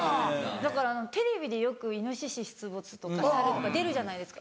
だからテレビでよくイノシシ出没とかサルとか出るじゃないですか。